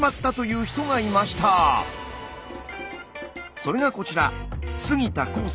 それがこちら。